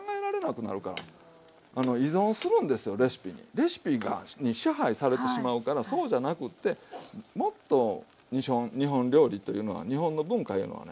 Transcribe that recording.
レシピに支配されてしまうからそうじゃなくってもっと日本料理というのは日本の文化いうのはね